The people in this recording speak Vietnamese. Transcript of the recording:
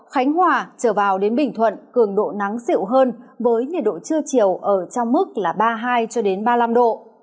khánh hòa trở vào đến bình thuận cường độ nắng dịu hơn với nhiệt độ trưa chiều ở trong mức là ba mươi hai ba mươi năm độ